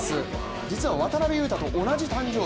実は渡邊と同じ誕生日。